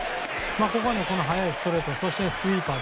ここにこの速いストレートそしてスイーパー。